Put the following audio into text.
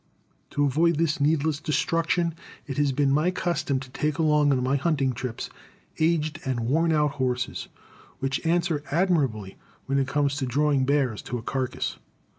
To avoid this needless destruction it has been my custom to take along on my hunting trips aged and worn out horses, which answer admirably when it comes to drawing bears to a carcass.